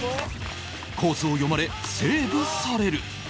コースを読まれセーブされる